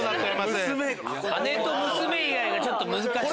「姉」と「娘」以外がちょっと難しい。